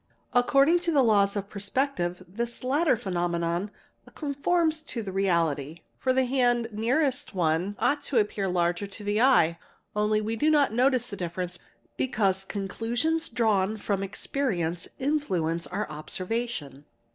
According te the laws of perspective, this latter phenomenon conforms to the reality for the hand nearest one ought to appear larger to the eye, only we d not notice the difference because conclusions drawn from expertei u influence our observation.